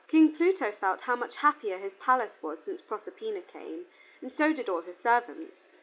King Pluto felt how much happier his palace was since Proserpina came, and so did all his servants.